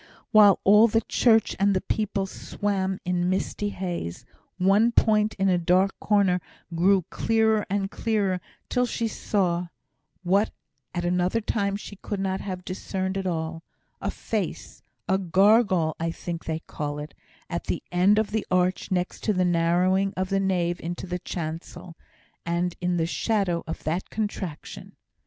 While all the church and the people swam in misty haze, one point in a dark corner grew clearer and clearer till she saw (what at another time she could not have discerned at all) a face a gargoyle I think they call it at the end of the arch next to the narrowing of the nave into the chancel, and in the shadow of that contraction.